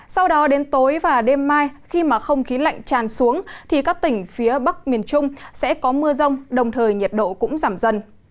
sau đó đến tối và đêm mai khi không khí lạnh tràn xuống thì các tỉnh phía bắc miền trung sẽ có mưa rông đồng thời nhiệt độ cũng giảm dần